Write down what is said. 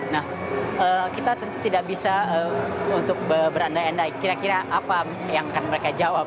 nah kita tentu tidak bisa untuk berandai andai kira kira apa yang akan mereka jawab